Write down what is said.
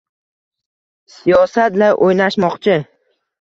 Siyosat-la o’ynashmoqni